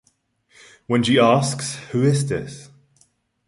When she asks, Who is this?